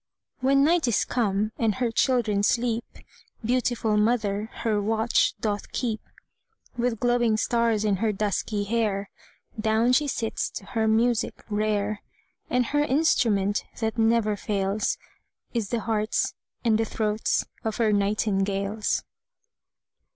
When night is come, and her children sleep, Beautiful mother her watch doth keep; With glowing stars in her dusky hair Down she sits to her music rare; And her instrument that never fails, Is the hearts and the throats of her nightingales.